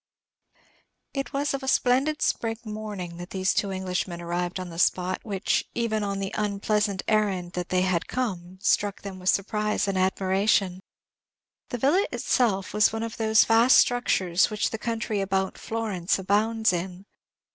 It was of a splendid spring morning that the two Englishmen arrived at this spot, which, even on the unpleasant errand that they had come, struck them with surprise and admiration. The villa itself was one of those vast structures which the country about Florence abounds in.